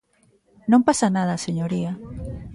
¡Non pasa nada, señoría!